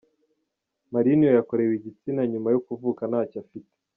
Marinho yakorewe igitsina nyuma yo kuvuka ntacyo afite.